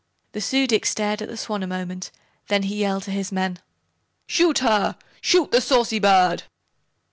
The Su dic stared at the Swan a moment. Then he yelled to his men: "Shoot her! Shoot the saucy bird!"